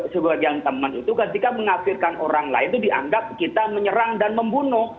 sebagian teman itu ketika mengafirkan orang lain itu dianggap kita menyerang dan membunuh